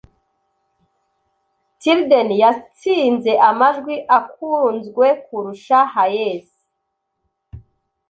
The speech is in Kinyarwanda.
Tilden yatsinze amajwi akunzwe kurusha Hayes. .